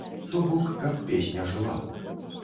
То бок, каб песня жыла.